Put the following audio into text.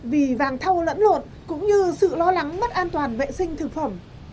vì vàng thâu lẫn lộn cũng như sự lo lắng mất an toàn vệ sinh thực phẩm